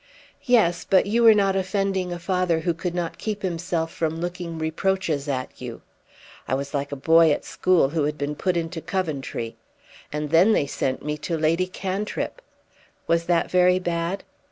"Yes; but you were not offending a father who could not keep himself from looking reproaches at you. I was like a boy at school who had been put into Coventry. And then they sent me to Lady Cantrip!" "Was that very bad?"